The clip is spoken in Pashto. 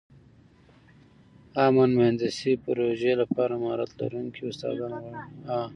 امن مهندسي پروژې لپاره مهارت لرونکي استادان غواړو.